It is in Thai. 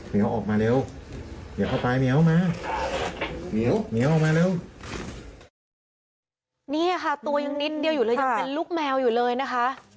นี่ค่ะตัวยังนิดเดียวอยู่เลยยังเป็นลูกแมวอยู่เลยนะคะ